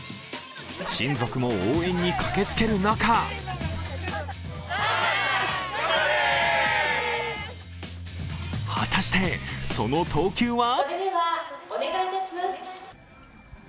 親族も応援に駆けつける中果たして、その投球は？